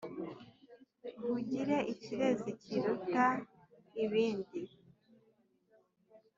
nkugire ikirezi kiruta ibindi.